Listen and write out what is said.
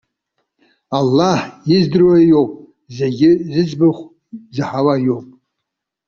Аллаҳ издыруа иоуп, зегьы зыӡбахә заҳауа иоуп.